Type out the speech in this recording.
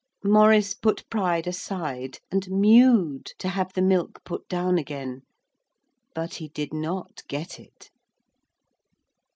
Maurice put pride aside and mewed to have the milk put down again. But he did not get it.